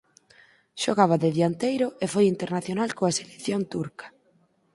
Xogaba de dianteiro e foi internacional coa selección turca.